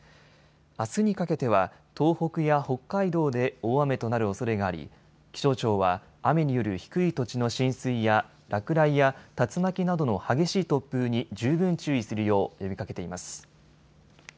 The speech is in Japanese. あすにかけては東北や北海道で大雨となるおそれがあり気象庁は雨による低い土地の浸水や落雷や竜巻などの激しい突風に十分注意するよう呼びかけています。